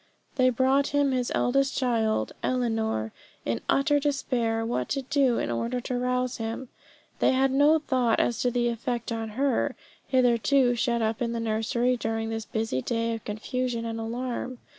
They brought him his eldest child, Ellinor, in utter despair what to do in order to rouse him. They had no thought as to the effect on her, hitherto shut up in the nursery during this busy day of confusion and alarm.